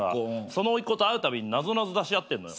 そのおいっ子と会うたびになぞなぞ出し合ってんのよ。